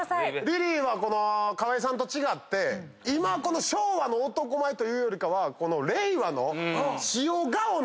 リリーは河井さんと違って今昭和の男前というよりかは。